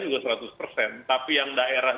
juga seratus persen tapi yang daerah